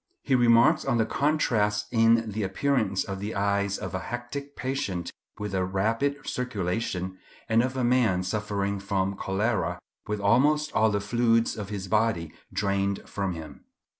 He remarks on the contrast in the appearance of the eyes of a hectic patient with a rapid circulation, and of a man suffering from cholera with almost all the fluids of his body drained from him.